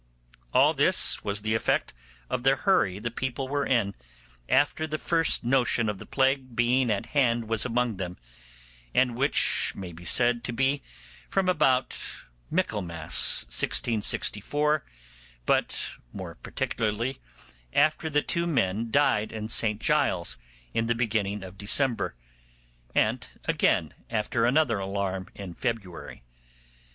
All this was the effect of the hurry the people were in, after the first notion of the plague being at hand was among them, and which may be said to be from about Michaelmas 1664, but more particularly after the two men died in St Giles's in the beginning of December; and again, after another alarm in February.